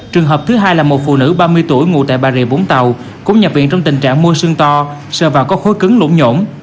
trường hợp thứ hai là một phụ nữ ba mươi tuổi ngụ tại bà rịa vũng tàu cũng nhập viện trong tình trạng môi sương to sờ vào có khối cứng lỗ nhổn